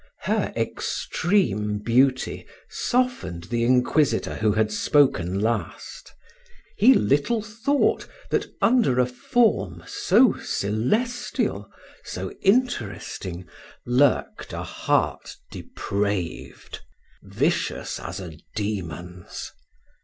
Her extreme beauty softened the inquisitor who had spoken last. He little thought that, under a form so celestial, so interesting, lurked a heart depraved, vicious as a demon's.